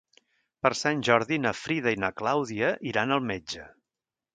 Per Sant Jordi na Frida i na Clàudia iran al metge.